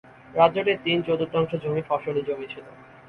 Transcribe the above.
রাজ্যটির তিন-চতুর্থাংশ জমি ফসলি জমি ছিল।